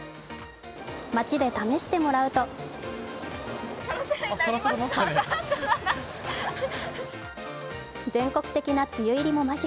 街で試してもらうと全国的な梅雨入りも間近。